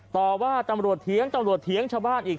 ต่อว่าตำรวจเถียงตำรวจเถียงชาวบ้านอีก